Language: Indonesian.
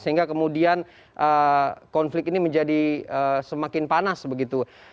sehingga kemudian konflik ini menjadi semakin panas begitu